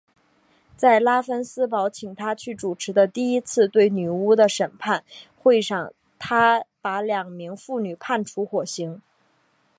在拉芬斯堡请他去主持的第一次对女巫的审判会上他把两名妇女判处火刑。